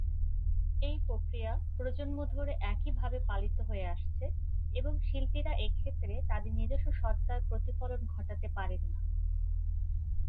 এই প্রক্রিয়া প্রজন্ম ধরে একইভাবে পালিত হয়ে আসছে এবং শিল্পীরা এক্ষেত্রে তাদের নিজস্ব সত্তার প্রতিফলন ঘটাতে পারেন না।